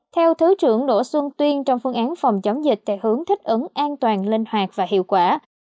theo thứ trưởng đỗ xuân tuyên trong phương án phòng chống dịch theo hướng thích ứng an toàn linh hoạt và hiệu quả